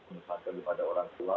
masyarakat kepada orang tua